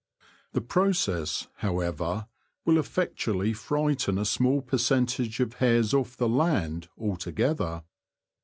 The process, however, will effectually frighten a small percentage of hares off the land al together.